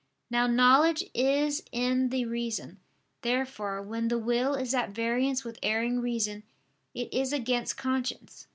Now knowledge is in the reason. Therefore when the will is at variance with erring reason, it is against conscience.